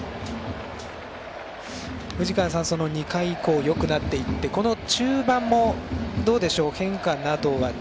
藤川さん、その２回以降よくなっていってこの中盤もどうでしょう？